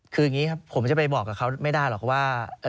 คืออย่างนี้ครับผมจะไปบอกกับเขาไม่ได้หรอกครับว่า